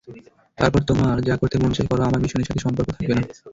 তারপর তোমার যা করতে মন চায় করো, আমার মিশনের সাথে সম্পর্ক থাকবে না।